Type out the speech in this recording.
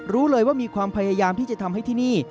รู้เลยว่ามีความพยายามที่จะทำให้ที่นี่